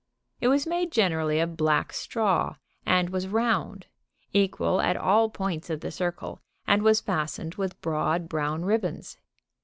It was made generally of black straw, and was round, equal at all points of the circle, and was fastened with broad brown ribbons.